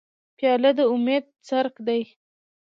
پیاله د امید څرک ده.